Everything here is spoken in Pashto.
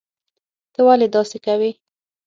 ته ولي داسي کوي